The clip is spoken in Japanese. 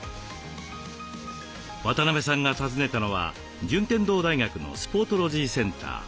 渡邊さんが訪ねたのは順天堂大学のスポートロジーセンター。